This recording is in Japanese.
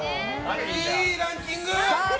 いいランキング！